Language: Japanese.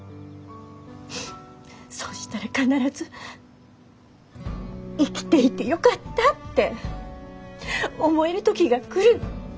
そうしたら必ず「生きていてよかった」って思える時が来る。